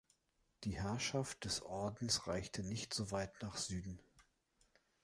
Die Herrschaft des Ordens reichte nicht so weit nach Süden.